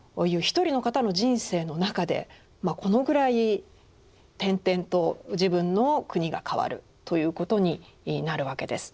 一人の方の人生の中でこのぐらい転々と自分の国が変わるということになるわけです。